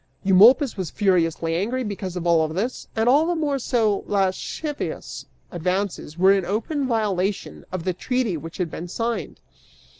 Eumolpus was furiously angry because of all this, and all the more so as lascivious advances were in open violation of the treaty which had been signed.